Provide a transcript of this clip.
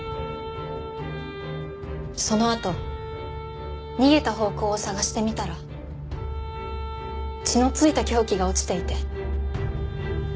そのあと逃げた方向を捜してみたら血の付いた凶器が落ちていて。